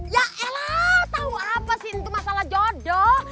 yah eh lah tau apa sih itu masalah jodoh